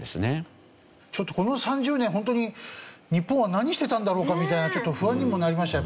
ちょっとこの３０年ホントに日本は何してたんだろうかみたいな不安にもなりました